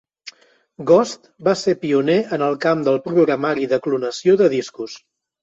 Ghost va ser pioner en el camp del programari de clonació de discos.